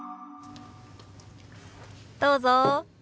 どうぞ。